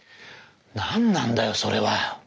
何なんだよそれは。